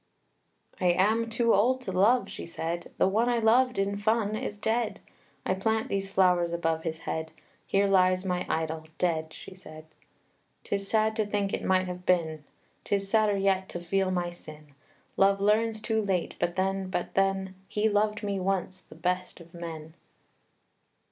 II. "I am too old to love," she said; "The one I loved in fun is dead! I plant these flowers above his head, Here lies my idol, dead!" she said. "'Tis sad to think it might have been; 'Tis sadder yet to feel my sin. Love learns too late; but then, but then, He loved me once the best of men.